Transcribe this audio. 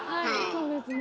そうですね。